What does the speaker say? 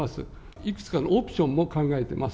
いくつかのオプションも考えています。